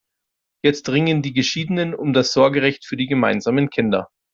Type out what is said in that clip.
Jetzt ringen die Geschiedenen um das Sorgerecht für die gemeinsamen Kinder.